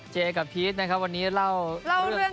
เจ๊กับพีชนะครับวันนี้เล่าเรื่องของเจ๊แล้วกัน